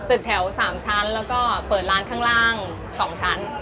ตึกแถว๓ชั้นแล้วก็เปิดร้านข้างล่าง๒ชั้น